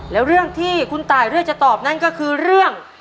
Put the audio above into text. แล้วเรื่องที่คุณตายเลือกจะตอบนั่นก็คือเรื่อง